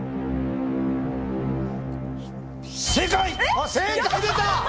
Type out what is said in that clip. あっ正解出た！